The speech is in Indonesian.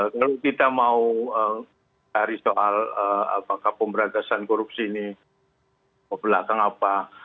kalau kita mau cari soal apakah pemberantasan korupsi ini ke belakang apa